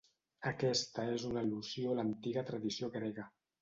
Aquesta és una al·lusió a l'antiga tradició grega.